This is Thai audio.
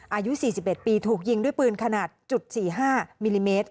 อายุ๔๑ปีถูกยิงด้วยปืนขนาดจุด๔๕มิลลิเมตร